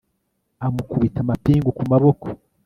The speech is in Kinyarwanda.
amukubita amapingu ku maboko